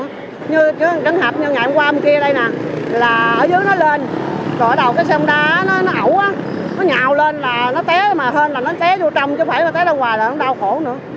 như trấn hạp nhạy qua bên kia đây nè là ở dưới nó lên còn ở đầu cái xe hông đá nó ẩu á nó nhào lên là nó té mà hên là nó té vô trong chứ không phải nó té ra ngoài là nó đau khổ nữa